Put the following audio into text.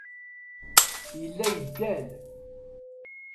Yella yeddal.